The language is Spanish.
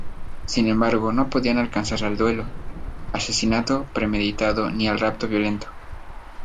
Sin embargo, no podían alcanzar al duelo, asesinato premeditado ni al rapto violento.